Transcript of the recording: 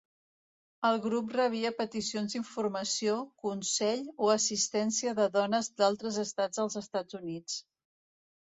El grup rebia peticions d'informació, consell o assistència de dones d'altres estats dels Estats Units.